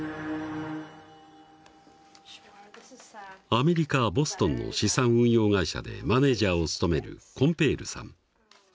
アメリカ・ボストンの資産運用会社でマネージャーを務めるコンペールさん。